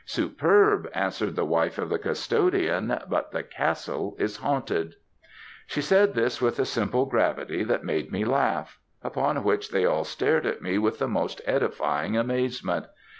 "'Superb,' answered the wife of the custodian; 'but the castle is haunted.' "She said this with a simple gravity that made me laugh; upon which they all stared at me with the most edifying amazement.